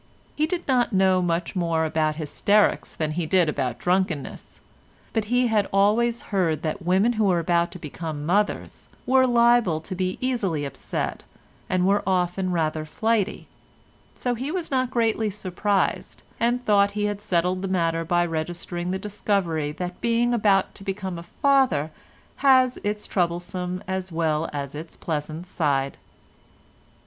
He did not know much more about hysterics than he did about drunkenness, but he had always heard that women who were about to become mothers were liable to be easily upset and were often rather flighty, so he was not greatly surprised, and thought he had settled the matter by registering the discovery that being about to become a father has its troublesome as well as its pleasant side.